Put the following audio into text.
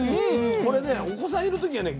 これねお子さんいる時はね